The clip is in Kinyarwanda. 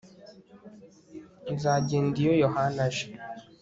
Nzagenda iyo Yohana aje